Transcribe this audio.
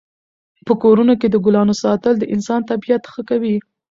په کورونو کې د ګلانو ساتل د انسان طبعیت ښه کوي.